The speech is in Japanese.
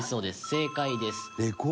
正解です。